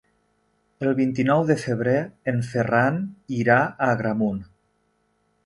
El vint-i-nou de febrer en Ferran irà a Agramunt.